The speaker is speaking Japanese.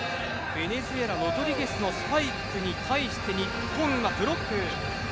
ベネズエラ、ロドリゲスのスパイクに対して日本がブロック。